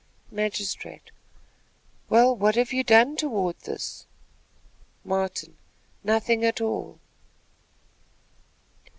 Magistrate. "Well, what have you done toward this?" Martin. "Nothing at all."